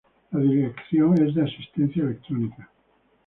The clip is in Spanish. La dirección es de asistencia electrónica.